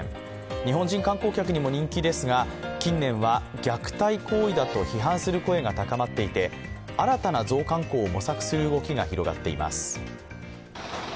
日本人観光客にも人気ですが近年は、虐待行為だと批判する声が高まっていて、新たなゾウ観光を模索する動きが広がっています。